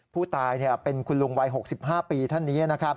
ผู้ตายเป็นคุณลุงวัย๖๕ปีท่านเนี่ย